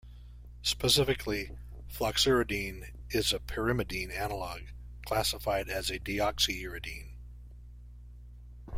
Specifically, floxuridine is a pyrimidine analog, classified as a deoxyuridine.